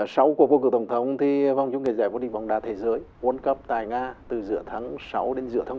sau cuộc vô cực tổng thống thì vòng chung kỳ giải quân địch vòng đá thế giới world cup tại nga từ giữa tháng sáu đến giữa tháng bảy